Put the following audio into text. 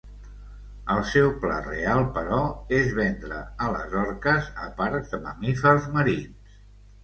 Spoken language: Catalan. El seu pla real, però, és vendre a les orques a parcs de mamífers marins.